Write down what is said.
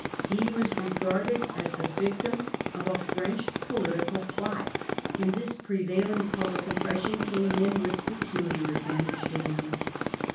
He was regarded as the victim of a French political plot, and this prevailing public impression came in with peculiar advantage to him.